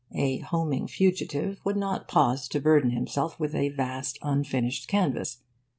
A homing fugitive would not pause to burden himself with a vast unfinished canvas.